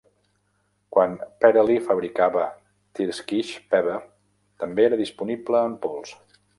Quan Perelly fabricava Tyrkisk Peber, també era disponible en pols.